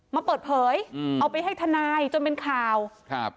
มาเปิดเผยอืมเอาไปให้ทนายจนเป็นข่าวครับ